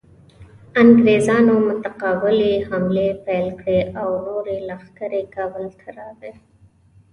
انګریزانو متقابلې حملې پیل کړې او نورې لښکرې کابل ته راغلې.